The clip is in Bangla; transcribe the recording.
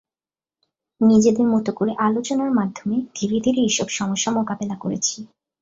নিজেদের মতো করে আলোচনার মাধ্যমে ধীরে ধীরে এসব সমস্যা মোকাবিলা করেছি।